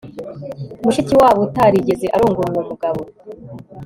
Mushikiwabo utarigeze arongora uwo mugabo